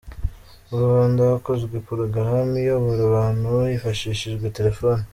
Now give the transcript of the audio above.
Mu Rwanda hakozwe porogaramu iyobora abantu hifashishijwe telefone